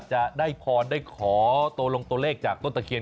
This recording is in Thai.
จะได้พรได้ขอตัวลงตัวเลขจากต้นตะเคียน